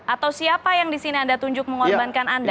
atau siapa yang di sini anda tunjuk mengorbankan anda